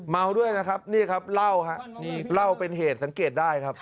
เมาด้วยนะครับนี่ครับเล่าครับเล่าเป็นเหตุสังเกตได้ครับ